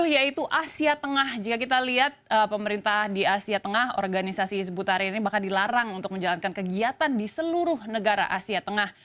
yaitu asia tengah jika kita lihat pemerintah di asia tengah organisasi hizbut tahrir ini bahkan dilarang untuk menjalankan kegiatan di seluruh negara asia tengah